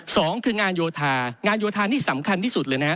สองคืองานโยธางานโยธานี่สำคัญที่สุดเลยนะฮะ